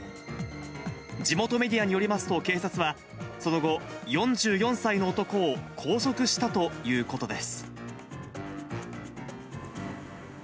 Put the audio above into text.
地元メディアによりますと、警察はその後、４４歳の男を拘束したということです。